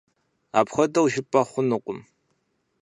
Апхуэдэу жыпӀэ хъунукъым.